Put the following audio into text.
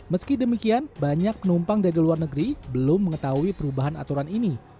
meski demikian banyak penumpang dari luar negeri belum mengetahui perubahan aturan ini